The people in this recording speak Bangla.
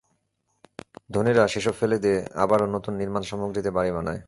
ধনীরা সেসব ফেলে দিয়ে আবারও নতুন নির্মাণ সামগ্রী দিয়ে বাড়ি বানায়।